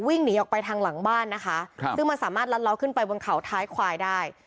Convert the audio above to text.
วิ่งหนีออกไปทางหลังบ้านนะคะซึ่งมันสามารถลัดล้อขึ้นไปบนเขาท้ายควายได้